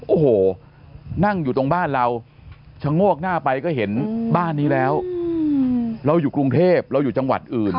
โอ้โหนั่งอยู่ตรงบ้านเราชะโงกหน้าไปก็เห็นบ้านนี้แล้วเราอยู่กรุงเทพเราอยู่จังหวัดอื่น